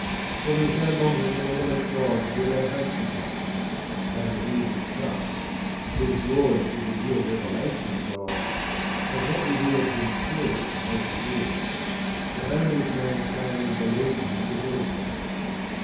For there is no longer a benevolent God to build our hopes upon; and Jesus Christ, whose glory is a newer revelation of God, has not revealed Him truly, as He is, but only as Man fain would believe Him to be.